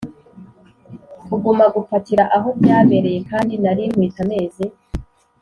kuguma gupakira aho byabereye kandi nari ntwite amezi